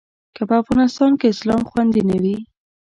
که په افغانستان کې اسلام خوندي نه وي.